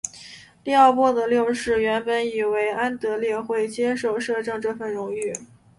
利奥波德六世原本以为安德烈会接受摄政这荣誉。